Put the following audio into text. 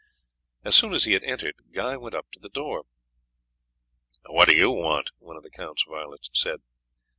As soon as he had entered Guy went up to the door. "What do you want?" one of the count's valets said.